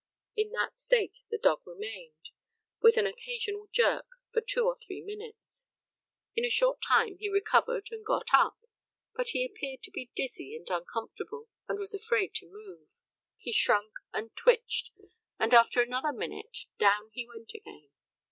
In that state the dog remained, with an occasional jerk, for two or three minutes. In a short time he recovered and got up, but he appeared to be dizzy and uncomfortable, and was afraid to move. If you touched him he shrunk and twitched, and after another minute down he went again.